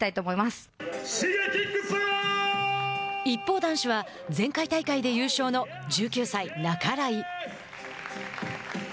一方、男子は前回大会で優勝の１９歳、半井。